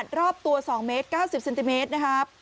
เท่า๒เมตร๙๐เซนติเมตรนะครับ